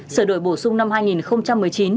sửa đổi bổ sung năm hai nghìn một mươi chín